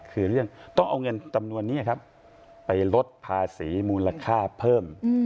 คือเรื่องต้องเอาเงินจำนวนนี้ครับไปลดภาษีมูลค่าเพิ่ม